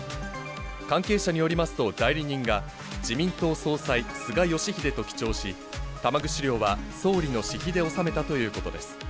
関係者によりますと、代理人が、自民党総裁、菅義偉と記帳し、玉串料は総理の私費で納めたということです。